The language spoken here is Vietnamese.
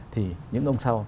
thì những ông sau